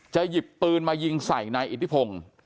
หยิบปืนมายิงใส่นายอิทธิพงศ์